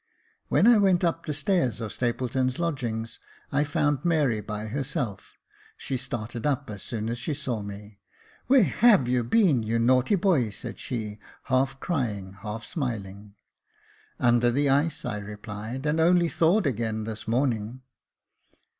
When I went up the stairs of Stapleton's lodgings, I found Mary by herself 5 she started up as soon as she saw me. *' Where have you been, you naughty boy ?" said she, half crying, half smiling. " Under the ice," I replied, *' and only thawed again this morning."